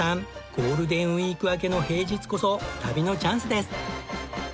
ゴールデンウィーク明けの平日こそ旅のチャンスです。